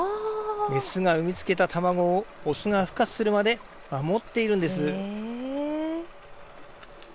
雌が産みつけた卵がふ化するまで守っているんです。